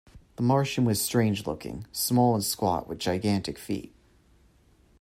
The Martian was strange-looking: small and squat with gigantic feet.